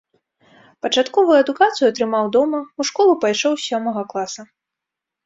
Пачатковую адукацыю атрымаў дома, у школу пайшоў з сёмага класа.